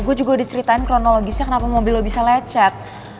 gue juga udah diceritain kronologisnya kenapa mobil lo bisa lecet